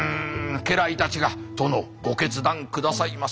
家来たちが「殿ご決断くださいませ。